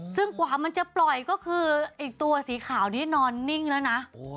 ซึ่งกว่ามันจะปล่อยก็คือไอ้ตัวสีขาวนี้นอนนิ่งแล้วนะ